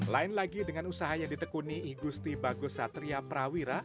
lain lagi dengan usaha yang ditekuni igusti bagus satria prawira